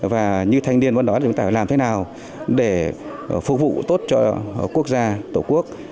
và như thanh niên vẫn nói thì chúng ta phải làm thế nào để phục vụ tốt cho quốc gia tổ quốc